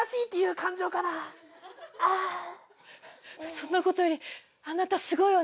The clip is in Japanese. そんなことよりあなたすごいわね。